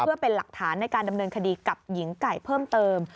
เพื่อเป็นหลักฐานในการดำเนินคดีกับหญิงไก่เพิ่มเติม